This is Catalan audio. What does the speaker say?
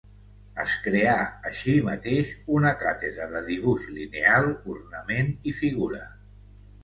Es creà així mateix una càtedra de dibuix lineal, ornament i figura.